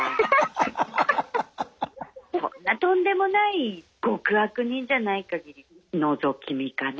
そんなとんでもない極悪人じゃないかぎりはのぞき見かな